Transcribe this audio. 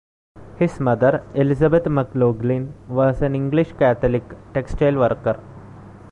His mother, Elizabeth McLoughlin, was an English Catholic textile worker.